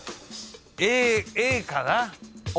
ＡＡかな？